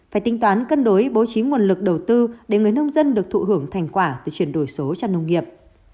phải tính toán cân đối bố trí nguồn lực đầu tư để người nông dân được thụ hưởng thành quả từ chuyển đổi số trong nông nghiệp